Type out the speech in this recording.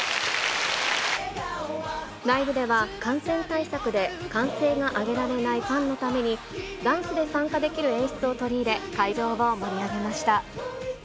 ライブでは、感染対策で歓声が上げられないファンのために、ダンスで参加できる演出を取り入れ、会場を盛り上げました。